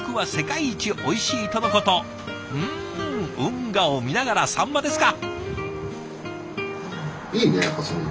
うん運河を見ながらサンマですか。